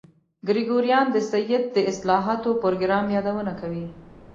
ګریګوریان د سید د اصلاحاتو پروګرام یادونه کوي.